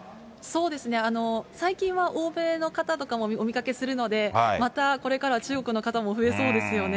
そうですね、最近は欧米の方とかもお見かけするので、またこれからは中国の方も増えそうですよね。